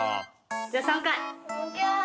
じゃあ３回。